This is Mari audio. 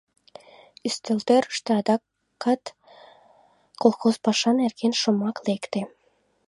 Ӱстелтӧрыштӧ адакат колхоз паша нерген шомак лекте.